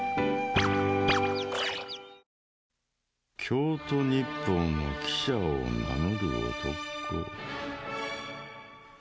京都日報の記者を名乗る男。